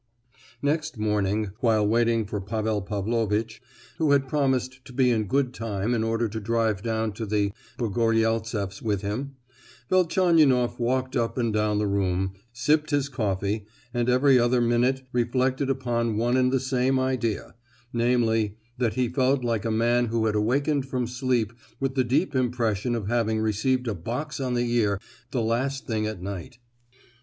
Next morning, while waiting for Pavel Pavlovitch, who had promised to be in good time in order to drive down to the Pogoryeltseffs with him, Velchaninoff walked up and down the room, sipped his coffee, and every other minute reflected upon one and the same idea; namely, that he felt like a man who had awaked from sleep with the deep impression of having received a box on the ear the last thing at night.